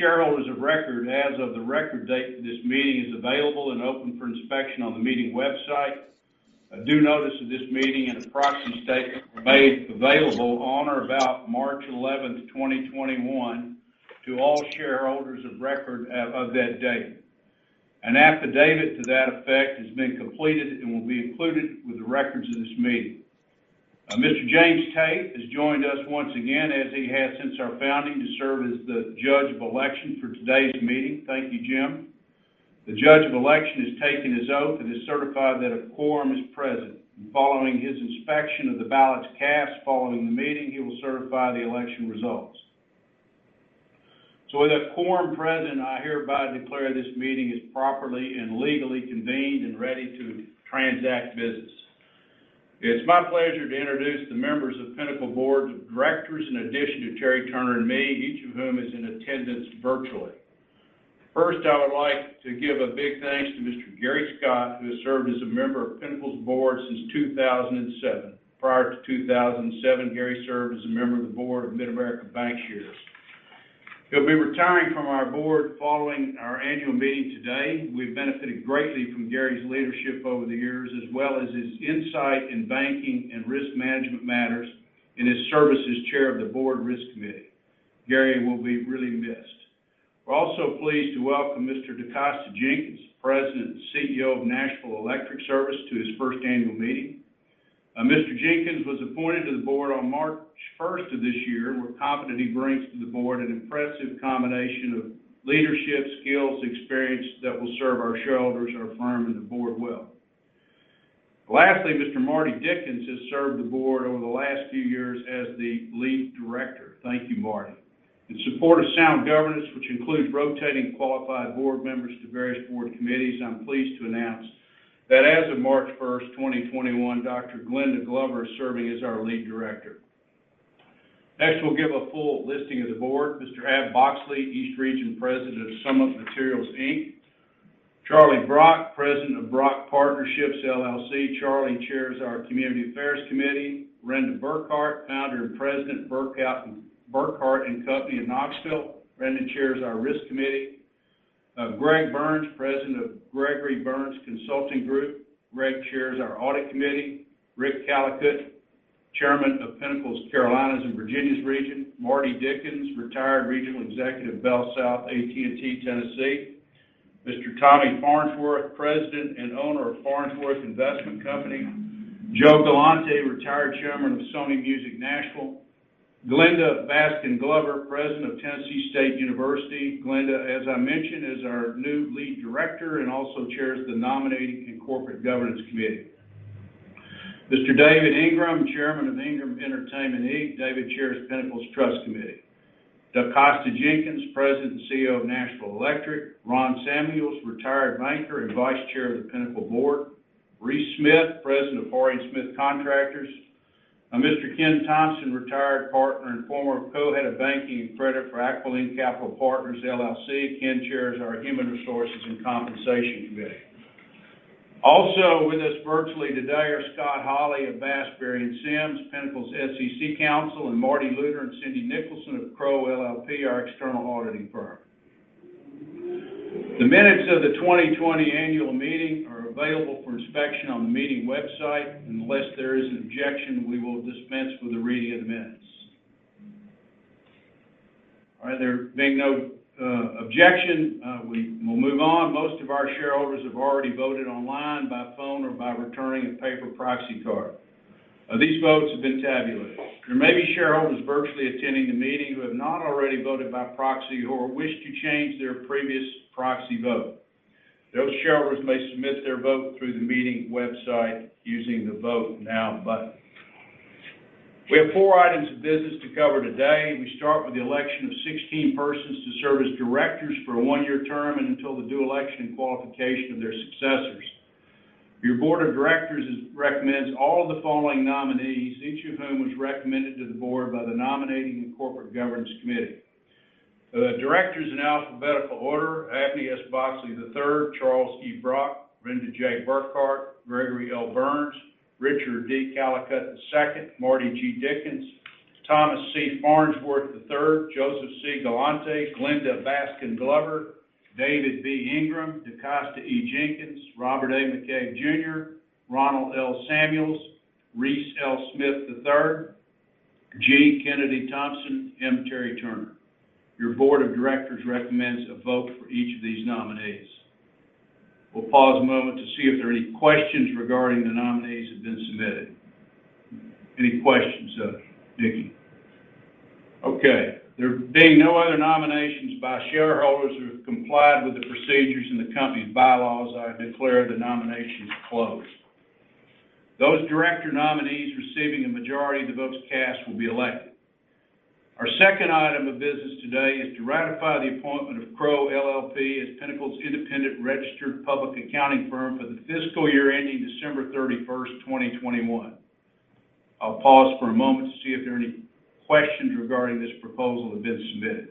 A list of shareholders of record as of the record date of this meeting is available and open for inspection on the meeting website. A due notice of this meeting and a proxy statement were made available on or about March 11th, 2021, to all shareholders of record as of that date. An affidavit to that effect has been completed and will be included with the records of this meeting. Mr. James Tate has joined us once again, as he has since our founding, to serve as the Judge of Election for today's meeting. Thank you, Jim. The Judge of Election has taken his oath and has certified that a quorum is present. Following his inspection of the ballots cast following the meeting, he will certify the election results. With a quorum present, I hereby declare this meeting is properly and legally convened and ready to transact business. It's my pleasure to introduce the members of Pinnacle Board of Directors, in addition to Terry Turner and me, each of whom is in attendance virtually. First, I would like to give a big thanks to Mr. Gary Scott, who has served as a member of Pinnacle's board since 2007. Prior to 2007, Gary served as a member of the board of Mid-America Bancshares. He'll be retiring from our board following our Annual Meeting today. We've benefited greatly from Gary's leadership over the years, as well as his insight in banking and risk management matters and his service as Chair of the Board Risk Committee. Gary will be really missed. We're also pleased to welcome Mr. Decosta Jenkins, President and CEO of Nashville Electric Service, to his first Annual Meeting. Mr. Jenkins was appointed to the board on March 1st of this year. We're confident he brings to the board an impressive combination of leadership skills, experience that will serve our shareholders, our firm, and the board well. Lastly, Mr. Marty Dickens has served the board over the last few years as the Lead Director. Thank you, Marty. In support of sound governance, which includes rotating qualified board members to various board committees, I'm pleased to announce that as of March 1st, 2021, Dr. Glenda Glover is serving as our Lead Director. Next, we'll give a full listing of the board. Mr. Ab Boxley, East Region President of Summit Materials, Inc. Charlie Brock, President of Brock Partnerships, LLC. Charlie chairs our Community Affairs Committee. Renda Burkhart, Founder and President, Burkhart & Company of Knoxville. Renda chairs our Risk Committee. Greg Burns, President of Gregory Burns Consulting Group. Greg chairs our Audit Committee. Rick Callicutt, Chairman of Pinnacle's Carolinas and Virginia region. Marty Dickens, retired Regional Executive, BellSouth AT&T, Tennessee. Mr. Tommy Farnsworth, President and owner of Farnsworth Investment Company. Joe Galante, retired chairman of Sony Music Nashville. Glenda Baskin Glover, President of Tennessee State University. Glenda, as I mentioned, is our new Lead Director and also chairs the Nominating and Corporate Governance Committee. Mr. David Ingram, Chairman of Ingram Entertainment Inc. David chairs Pinnacle's Trust Committee. Decosta Jenkins, President and CEO of Nashville Electric. Ron Samuels, retired banker and vice chair of the Pinnacle board. Reese Smith, President of Haury & Smith Contractors. Mr. Ken Thompson, retired partner and former Co-Head of Banking and Credit for Aquiline Capital Partners, LLC. Ken chairs our Human Resources and Compensation Committee. Also with us virtually today are Scott Holley of Bass, Berry & Sims, Pinnacle's SEC counsel, and Marty Lewter and Cindy Nicholson of Crowe LLP, our external auditing firm. The minutes of the 2020 Annual Meeting are available for inspection on the meeting website. Unless there is an objection, we will dispense with the reading of the minutes. All right. There being no objection, we will move on. Most of our shareholders have already voted online, by phone, or by returning a paper proxy card. These votes have been tabulated. There may be shareholders virtually attending the meeting who have not already voted by proxy or wish to change their previous proxy vote. Those shareholders may submit their vote through the meeting website using the Vote Now button. We have four items of business to cover today. We start with the election of 16 persons to serve as directors for a one-year term and until the due election and qualification of their successors. Your Board of Directors recommends all the following nominees, each of whom was recommended to the board by the Nominating and Corporate Governance Committee. The directors in alphabetical order, Abney S. Boxley III, Charles E. Brock, Renda J. Burkhart, Gregory L. Burns, Richard D. Callicutt II, Marty G. Dickens, Thomas C. Farnsworth III, Joseph C. Galante, Glenda Baskin Glover, David B. Ingram, Decosta E. Jenkins, Robert A. McCabe, Jr., Ronald L. Samuels, Reese L. Smith, III, G. Kennedy Thompson, M. Terry Turner. Your board of directors recommends a vote for each of these nominees. We'll pause a moment to see if there are any questions regarding the nominees that have been submitted. Any questions of it, Nikki? Okay. There being no other nominations by shareholders who have complied with the procedures and the company's bylaws, I declare the nominations closed. Those director nominees receiving a majority of the votes cast will be elected. Our second item of business today is to ratify the appointment of Crowe LLP as Pinnacle's independent registered public accounting firm for the fiscal year ending December 31st, 2021. I'll pause for a moment to see if there are any questions regarding this proposal that have been submitted.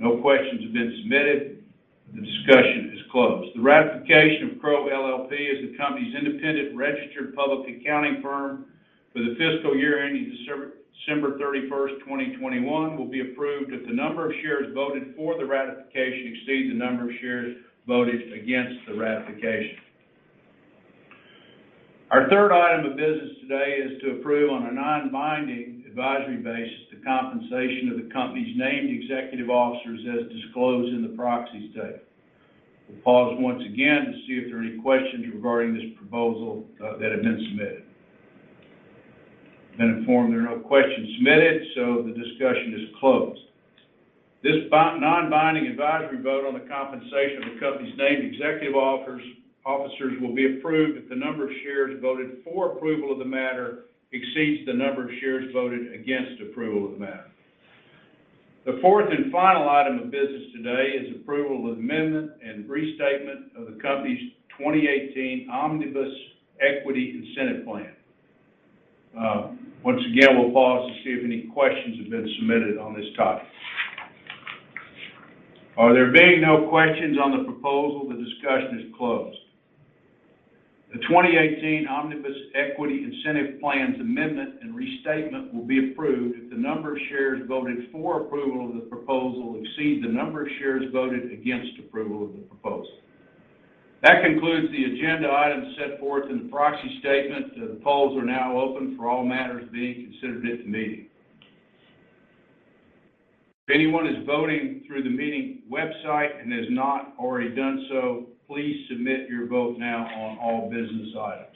No questions have been submitted. The discussion is closed. The ratification of Crowe LLP as the company's independent registered public accounting firm for the fiscal year ending December 31st, 2021 will be approved if the number of shares voted for the ratification exceeds the number of shares voted against the ratification. Our third item of business today is to approve on a non-binding advisory basis the compensation of the company's named executive officers as disclosed in the proxy statement. We'll pause once again to see if there are any questions regarding this proposal that have been submitted. I've been informed there are no questions submitted, so the discussion is closed. This non-binding advisory vote on the compensation of the company's named executive officers will be approved if the number of shares voted for approval of the matter exceeds the number of shares voted against approval of the matter. The fourth and final item of business today is approval of the amendment and restatement of the company's 2018 Omnibus Equity Incentive Plan. Once again, we'll pause to see if any questions have been submitted on this topic. There being no questions on the proposal, the discussion is closed. The 2018 Omnibus Equity Incentive Plan amendment and restatement will be approved if the number of shares voted for approval of the proposal exceed the number of shares voted against approval of the proposal. That concludes the agenda items set forth in the proxy statement. The polls are now open for all matters being considered at this meeting. If anyone is voting through the meeting website and has not already done so, please submit your vote now on all business items.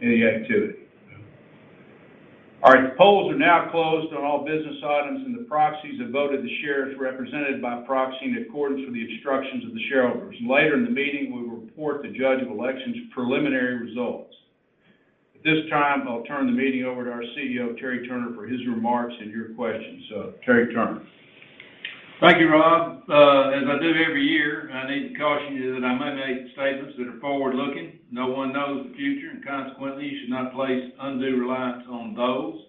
Any activity? All right. The polls are now closed on all business items, and the proxies have voted the shares represented by proxy in accordance with the instructions of the shareholders. Later in the meeting, we will report the Judge of Election preliminary results. At this time, I'll turn the meeting over to our CEO, Terry Turner, for his remarks and your questions. Terry Turner? Thank you, Rob. As I do every year, I need to caution you that I may make statements that are forward-looking. No one knows the future, and consequently, you should not place undue reliance on those.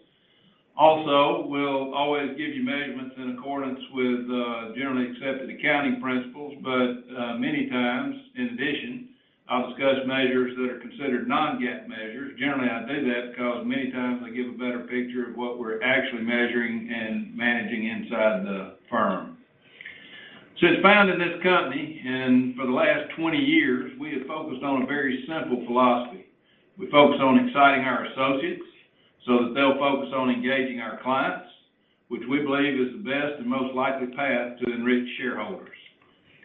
Also, we'll always give you measurements in accordance with generally accepted accounting principles, but many times, in addition, I'll discuss measures that are considered non-GAAP measures. Generally, I do that because many times they give a better picture of what we're actually measuring and managing inside the firm. Since founding this company and for the last 20 years, we have focused on a very simple philosophy. We focus on exciting our associates so that they'll focus on engaging our clients, which we believe is the best and most likely path to enrich shareholders.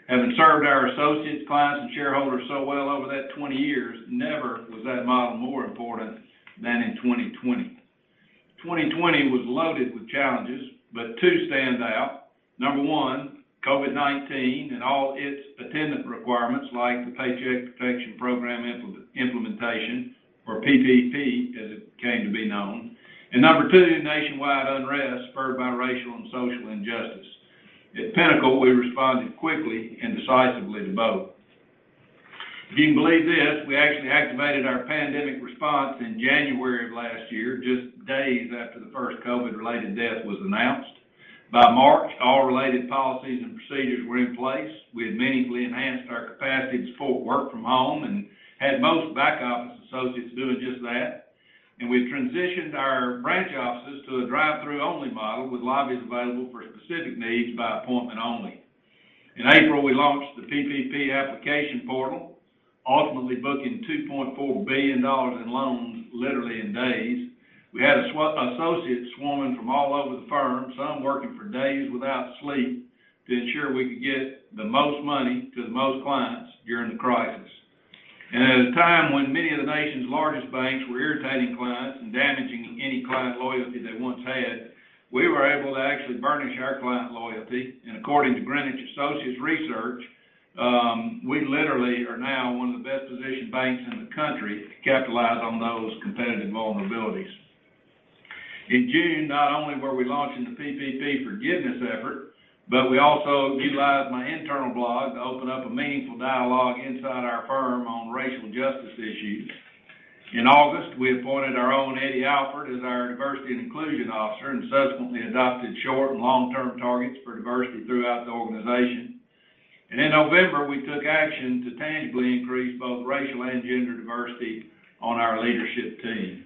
Having served our associates, clients, and shareholders so well over that 20 years, never was that model more important than in 2020. 2020 was loaded with challenges. Two stand out. Number one, COVID-19 and all its attendant requirements like the Paycheck Protection Program implementation, or PPP as it came to be known. Number two, the nationwide unrest spurred by racial and social injustice. At Pinnacle, we responded quickly and decisively to both. If you can believe this, we actually activated our pandemic response in January of last year, just days after the first COVID-related death was announced. By March, all related policies and procedures were in place. We had meaningfully enhanced our capacities for work from home and had most back office associates doing just that. We transitioned our branch offices to a drive-through only model with lobbies available for specific needs by appointment only. In April, we launched the PPP application portal, ultimately booking $2.4 billion in loans literally in days. We had associates swarming from all over the firm, some working for days without sleep, to ensure we could get the most money to the most clients during the crisis. At a time when many of the nation's largest banks were irritating clients and damaging any client loyalty they once had, we were able to actually burnish our client loyalty. According to Greenwich Associates Research, we literally are now one of the best positioned banks in the country to capitalize on those competitive vulnerabilities. In June, not only were we launching the PPP forgiveness effort, but we also utilized my internal blog to open up a meaningful dialogue inside our firm on racial justice issues. In August, we appointed our own Eddie Alford as our diversity and inclusion officer, and subsequently adopted short and long-term targets for diversity throughout the organization. In November, we took action to tangibly increase both racial and gender diversity on our leadership team.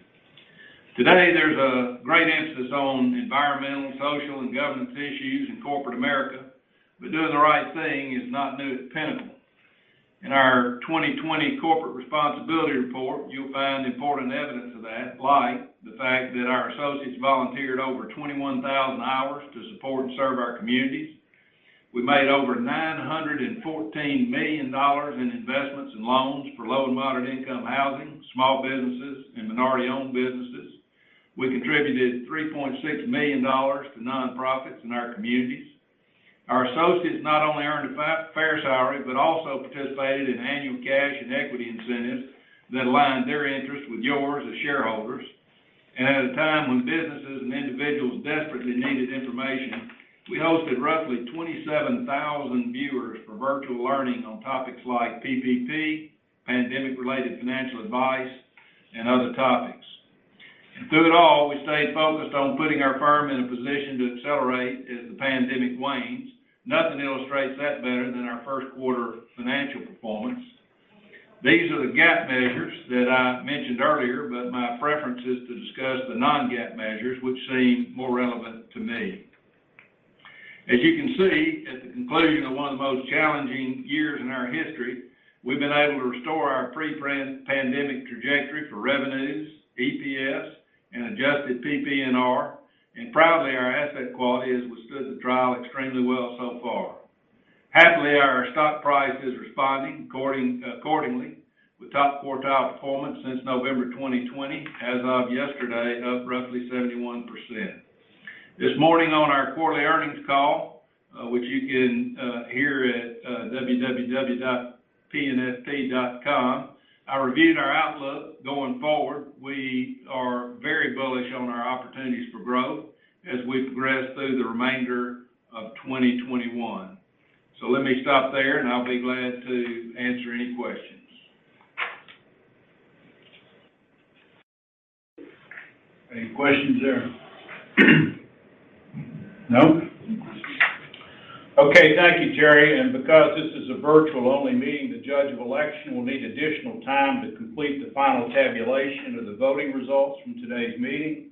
Today, there's a great emphasis on environmental, social, and governance issues in corporate America, but doing the right thing is not new to Pinnacle. In our 2020 corporate responsibility report, you'll find important evidence of that, like the fact that our associates volunteered over 21,000 hours to support and serve our communities. We made over $914 million in investments and loans for low and moderate income housing, small businesses, and minority-owned businesses. We contributed $3.6 million to nonprofits in our communities. Our associates not only earned a fair salary, but also participated in annual cash and equity incentives that aligned their interests with yours as shareholders. At a time when businesses and individuals desperately needed information, we hosted roughly 27,000 viewers for virtual learning on topics like PPP, pandemic-related financial advice, and other topics. Through it all, we stayed focused on putting our firm in a position to accelerate as the pandemic wanes. Nothing illustrates that better than our first quarter financial performance. These are the GAAP measures that I mentioned earlier, but my preference is to discuss the non-GAAP measures, which seem more relevant to me. As you can see, at the conclusion of one of the most challenging years in our history, we've been able to restore our pre-pandemic trajectory for revenues, EPS, and adjusted PPNR, and proudly, our asset quality has withstood the trial extremely well so far. Happily, our stock price is responding accordingly, with top quartile performance since November 2020, as of yesterday, up roughly 71%. This morning on our quarterly earnings call, which you can hear at www.pnfp.com, I reviewed our outlook going forward. We are very bullish on our opportunities for growth as we progress through the remainder of 2021. Let me stop there and I'll be glad to answer any questions. Any questions there? No? Okay. Thank you, Terry. Because this is a virtual-only meeting, the judge of election will need additional time to complete the final tabulation of the voting results from today's meeting.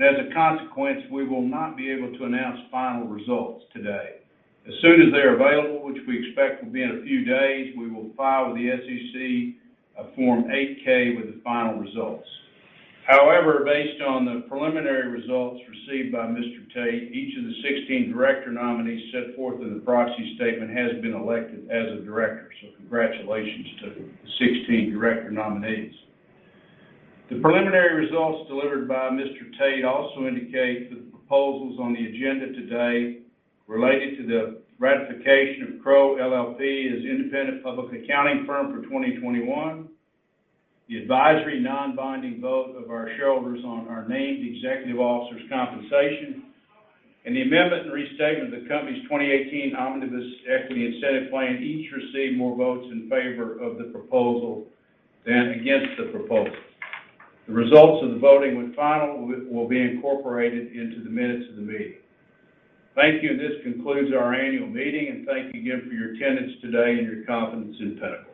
As a consequence, we will not be able to announce final results today. As soon as they are available, which we expect will be in a few days, we will file with the SEC a Form 8-K with the final results. However, based on the preliminary results received by Mr. Tate, each of the 16 director nominees set forth in the proxy statement has been elected as a director. Congratulations to the 16 director nominees. The preliminary results delivered by Mr. Tate also indicate that the proposals on the agenda today related to the ratification of Crowe LLP as independent public accounting firm for 2021, the advisory non-binding vote of our shareholders on our named executive officers' compensation, and the amendment and restatement of the company's 2018 Omnibus Equity Incentive Plan, each received more votes in favor of the proposal than against the proposal. The results of the voting, when final, will be incorporated into the minutes of the meeting. Thank you, and this concludes our Annual Meeting. Thank you again for your attendance today and your confidence in Pinnacle.